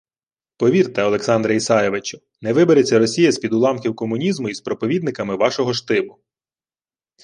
Повірте, Олександре Ісайовичу, не вибереться Росія «з-під уламків комунізму» із проповідниками вашого штибу